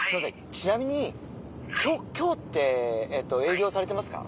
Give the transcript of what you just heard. ちなみに今日って営業されてますか？